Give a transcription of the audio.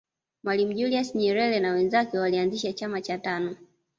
mwalimu julius nyerere na wenzake walianzisha chama cha tanu